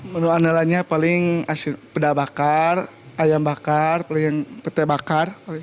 menu andalannya paling peda bakar ayam bakar petai bakar